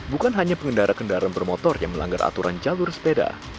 bukan hanya pengendara kendaraan bermotor yang melanggar aturan jalur sepeda